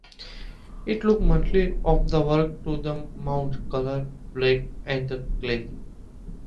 It took months of work to mould, colour and bake the clay.